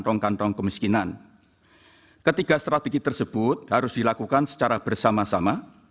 di andpool memberleader dan yang b merchant beeke cab healthy sobie lah miskin